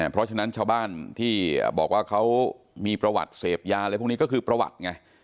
เพราะฉะนั้นชาวบ้านที่บอกว่าเขามีประวัติเสพยาอะไรพวกนี้ก็คือประวัติไง